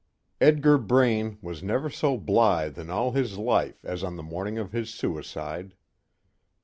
I. Edgar Braine was never so blithe in all his life as on the morning of his suicide.